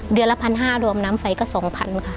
เดือนละ๑๕๐๐รวมน้ำไฟก็๒๐๐๐ค่ะ